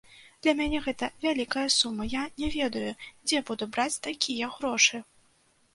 Для мяне гэта вялікая сума, я не ведаю дзе буду браць такія грошы.